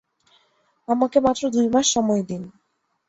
আমাকে মাত্র দুই মাস সময় দিন!